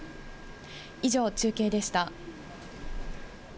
以上、中継でした。